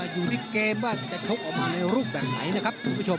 อยู่ที่เกมว่าจะชกออกมาในรูปแบบไหนนะครับคุณผู้ชม